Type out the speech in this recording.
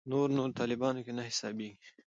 نور نو طالبانو کې نه حسابېږي.